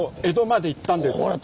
江戸まで行ったんです。